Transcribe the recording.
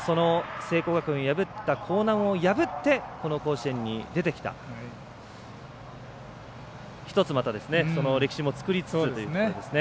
聖光学院光南を破ってこの甲子園に出てきた１つまた、歴史も作りつつですね。